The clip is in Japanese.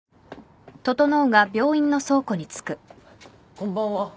こんばんは。